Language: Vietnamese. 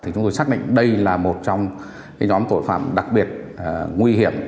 chúng tôi xác định đây là một trong nhóm tội phạm đặc biệt nguy hiểm